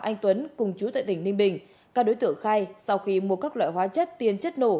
anh tuấn cùng chú tại tỉnh ninh bình các đối tượng khai sau khi mua các loại hóa chất tiền chất nổ